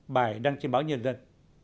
bài đăng trên báo nhân dân